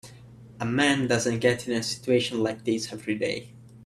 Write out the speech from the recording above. A man doesn't get in a situation like this every day.